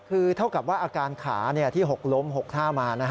คือเท่ากับว่าอาการขาที่หกล้ม๖ท่ามา